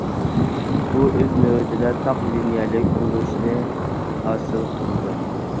بۇ ئۆز نۆۋىتىدە تاق لىنىيەلىك بولۇشنى ھاسىل قىلىدۇ.